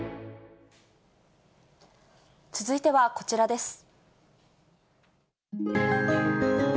続いてはこちらです。